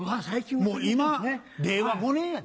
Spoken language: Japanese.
もう今令和５年やで。